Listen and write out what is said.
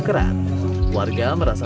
keran warga merasa